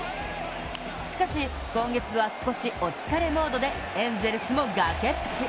しかし、今月は少しお疲れモードで、エンゼルスも崖っぷち。